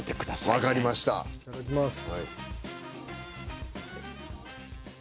いただきます。